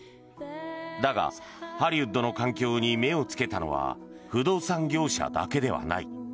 だが、ハリウッドの環境に目をつけたのは不動産業者だけではない。